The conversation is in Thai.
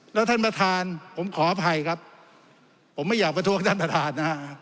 แล้วท่านประธานผมขออภัยครับผมไม่อยากประท้วงท่านประธานนะฮะ